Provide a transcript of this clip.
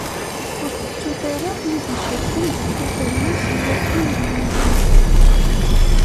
Ur tettut ara wid icerken deg ufermas n walfin u yiwen.